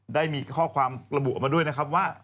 ได้มีข้อความระบุออกมาด้วยนะครับว่า